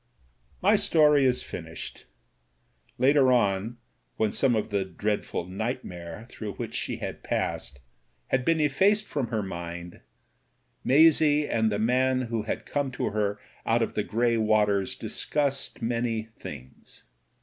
My story is finished. Later on, when some of the dreadful nightmare through which she had passed had i82 MEN, WOMEN AND GUNS been effaced from her mind, Maisie and the man who had come to her out of the grey waters discussed many things.